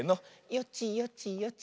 よちよちよち。